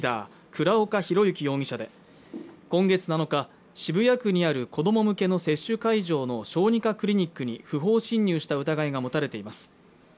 倉岡宏行容疑者で今月７日渋谷区にある子ども向けの接種会場の小児科クリニックに不法侵入した疑いが持たれています